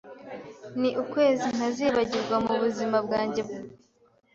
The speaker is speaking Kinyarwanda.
ni ukwezi ntazibagirwa mu buzima bwanjye